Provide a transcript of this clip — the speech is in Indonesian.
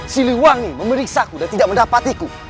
siliwangi memeriksaku dan tidak mendapatiku